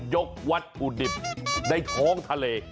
กวัตถุดิบในท้องทะเล